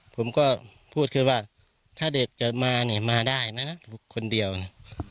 ผมก็พูดแค่ว่าถ้าเด็กจะมาเนี่ยมาได้นะคนเดียวนะ